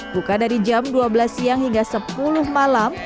buka dari jam dua belas siang hingga sepuluh malam